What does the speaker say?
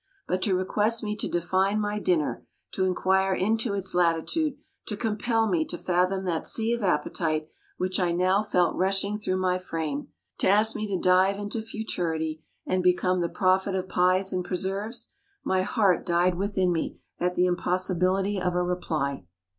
But to request me to define my dinner to inquire into its latitude to compel me to fathom that sea of appetite which I now felt rushing through my frame to ask me to dive into futurity, and become the prophet of pies and preserves! My heart died within me at the impossibility of a reply.